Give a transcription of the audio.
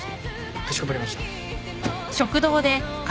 かしこまりました。